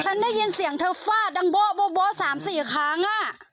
ฉันได้ยินเสียงเธอฟาดดังโบ๊ะ๓๔ครั้ง